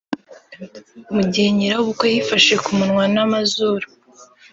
Mu gihe nyirabukwe yifashe ku munwa n'amazuru